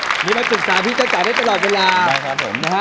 วินดีมาปรึศนาพิชาเจ้าได้ตลอดเวลา